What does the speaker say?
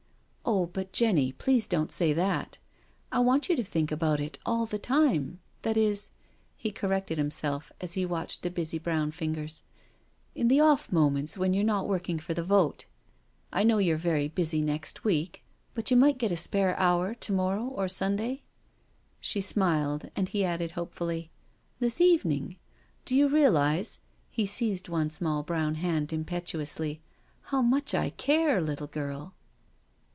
" Oh, but, Jenny, please don't say that. I want you to think about it all the time— that is," he corrected himself as he watched the busy brown fingers, " in AT THE WEEK END COTTAGE 171 the off moments when you are not working for the vote I I know you are very busy next week, but you might get a spare hour to morrow or Sunday." She smiled, and he added hopefully, " This evening? Do you realise "— he seized one small brown hand im« petuously— •• how much I care, little girl?"